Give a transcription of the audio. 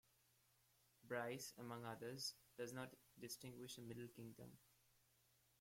Bryce, among others, does not distinguish a Middle Kingdom.